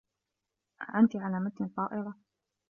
أأنتِ على متن الطّائرة.